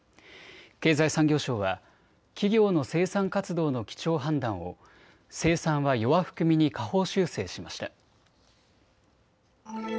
経済産業省は企業の生産活動の基調判断を生産は弱含みに下方修正しました。